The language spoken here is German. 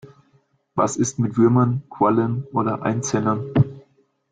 Was ist mit Würmern, Quallen oder Einzellern?